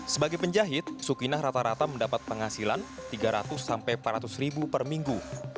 sebagai penjahit sukinah rata rata mendapat penghasilan rp tiga ratus empat ratus per minggu